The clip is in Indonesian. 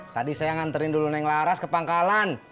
tadi saya nganterin dulu naik laras ke pangkalan